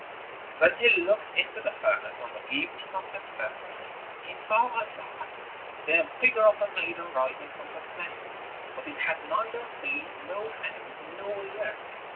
When he looked into the furnace on the evening of the third day, he saw at last the figure of a maiden rising from the flames, but it had neither feet nor hands nor ears.